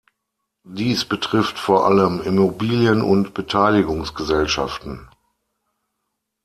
Dies betrifft vor allem Immobilien- und Beteiligungsgesellschaften.